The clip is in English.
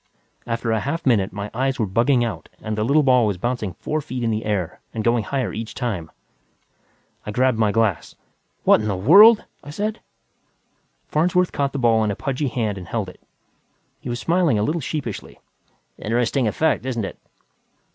After a half minute, my eyes were bugging out and the little ball was bouncing four feet in the air and going higher each time. I grabbed my glass. "What the hell!" I said. Farnsworth caught the ball in a pudgy hand and held it. He was smiling a little sheepishly. "Interesting effect, isn't it?"